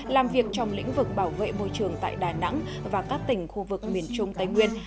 làm việc trong lĩnh vực bảo vệ môi trường tại đà nẵng và các tỉnh khu vực miền trung tây nguyên